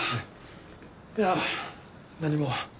いや何も。